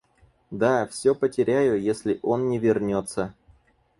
Да, всё потеряю, если он не вернется.